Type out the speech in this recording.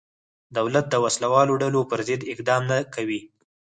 دولت د وسله والو ډلو پرضد اقدام نه کوي.